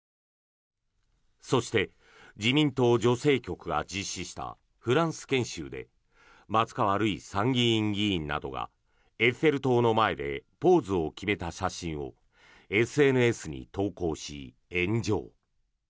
そして、自民党女性局が実施したフランス研修で松川るい参議院議員などがエッフェル塔の前でポーズを決めた写真をＳＮＳに投稿し、炎上。